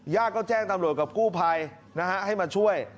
ก็แจ้งตำรวจกับกู้ภัยนะฮะให้มาช่วย